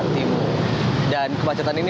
timur dan kemacetan ini